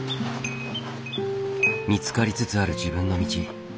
見つかりつつある自分の道。